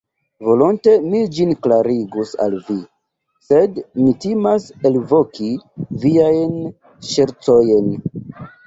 Volonte mi ĝin klarigus al vi, sed mi timas elvoki viajn ŝercojn.